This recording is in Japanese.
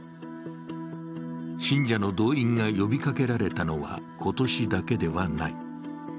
信者の動員が呼びかけられたのは今年だけではない。